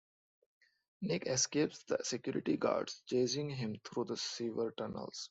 Nick escapes the security guards chasing him through the sewer tunnels.